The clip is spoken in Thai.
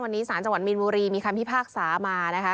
วันนี้สารจังหวัดมีนบุรีมีคำพิพากษามานะคะ